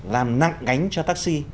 làm nặng gánh cho taxi